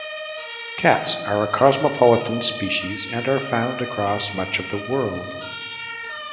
Cats are a cosmopolitan species and are found across much of the world.